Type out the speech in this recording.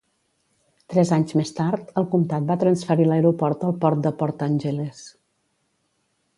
Tres anys més tard, el comtat va transferir l'aeroport al port de Port Angeles.